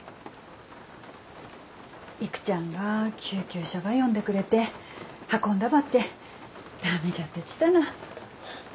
育ちゃんが救急車ば呼んでくれて運んだばって駄目じゃたちたな。